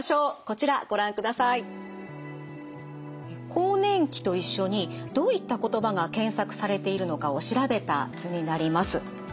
更年期と一緒にどういった言葉が検索されているのかを調べた図になります。